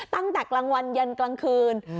ตั้งแต่กลางวันยันกลางคืน